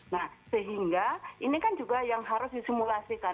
nah sehingga ini kan juga yang harus disimulasikan